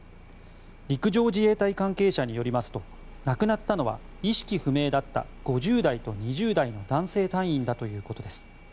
陸上自衛隊関係者によりますと亡くなったのは意識不明だった５０代と２０代の男性隊員だということです。